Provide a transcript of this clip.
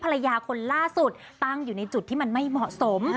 ภรรยาคนล่าสุดตั้งอยู่ในจุดที่มันไม่เหมาะสม